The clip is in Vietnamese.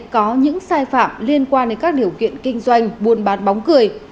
có những sai phạm liên quan đến các điều kiện kinh doanh buôn bán bóng cười